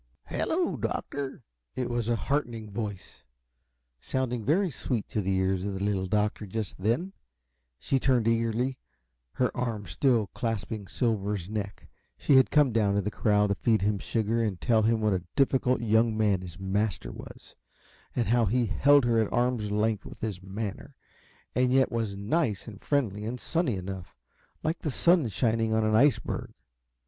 "Hello, Doctor!" It was a heartening voice, sounding very sweet to the ears of the Little Doctor just then. She turned eagerly, her arms still clasping Silver's neck. She had come down to the corral to feed him sugar and tell him what a very difficult young man his master was, and how he held her at arm's length with his manner, and yet was nice and friendly and sunny enough like the sun shining on an iceberg.